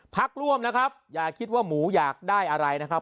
พักร่วมนะครับอย่าคิดว่าหมูอยากได้อะไรนะครับ